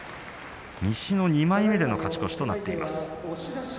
西の２枚目での勝ち越しとなっています。